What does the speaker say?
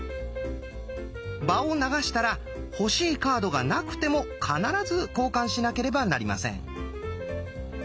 場を流したら欲しいカードがなくても必ず交換しなければなりません。